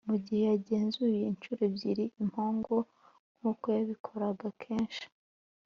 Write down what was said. mugihe yagenzuye inshuro ebyiri impongo, nkuko yabikoraga kenshi,